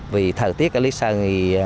vì thời tiết ở lý sơn